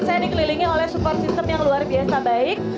saya dikelilingi oleh support system yang luar biasa baik